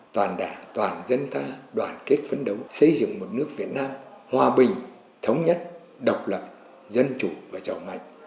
toàn đảng toàn dân ta đoàn kết phấn đấu xây dựng một nước việt nam hòa bình thống nhất độc lập dân chủ và giàu mạnh